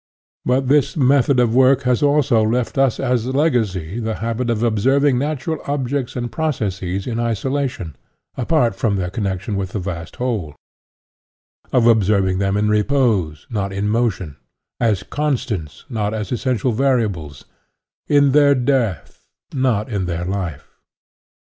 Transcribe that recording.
But this method of work has also left us as legacy the habit of observing natural objects and processes in isolation, apart from their connection with the vast whole ; of observing them in repose, not in motion; as constants, not as essen tially variables; in their death, not in their life.